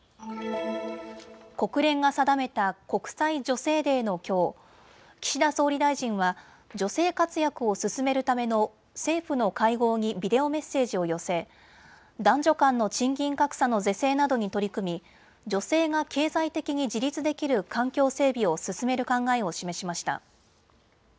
国連が定めた国際女性デーのきょう、岸田総理大臣は女性活躍を進めるための政府の会合にビデオメッセージを寄せ男女間の賃金格差の是正などに取り組み女性が経済的に自立できる環境整備を進める考えを示しました。